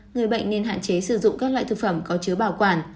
người bệnh nên hạn chế sử dụng các loại thực phẩm có chứa bảo quản